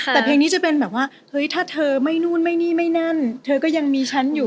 แต่เพลงนี้จะเป็นแบบว่าเฮ้ยถ้าเธอไม่นู่นไม่นี่ไม่นั่นเธอก็ยังมีฉันอยู่